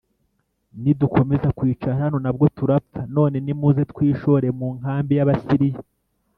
Nidukomeza kwicara hano nabwo turapfa none nimuze twishore mu nkambi y abasiriya